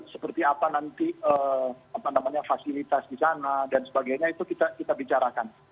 seperti apa nanti fasilitas di sana dan sebagainya itu kita bicarakan